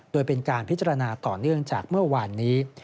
โดยเป็นการพิจารณาต่อเนื่องจากเมื่อวานนี้